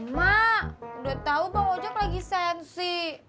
mak udah tau bang ojak lagi sensi